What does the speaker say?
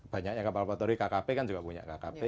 banyaknya kapal kapal terori kkp kan juga punya kkp